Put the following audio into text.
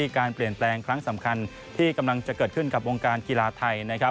การเปลี่ยนแปลงครั้งสำคัญที่กำลังจะเกิดขึ้นกับวงการกีฬาไทยนะครับ